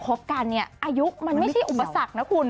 คบกันเนี่ยอายุมันไม่ใช่อุปสรรคนะคุณ